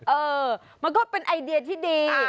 เออมันก็เป็นไอเดียที่ดี